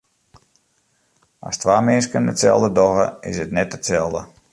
As twa minsken itselde dogge, is it net itselde.